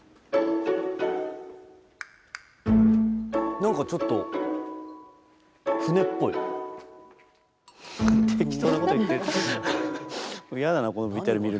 何かちょっと適当なこと言ってる。